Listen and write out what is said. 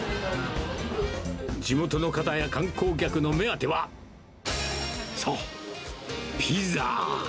地元の方や観光客の目当ては、そう、ピザ。